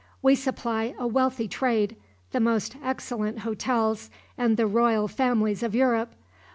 We supply a wealthy trade, the most excellent hotels and the royal families of Europe.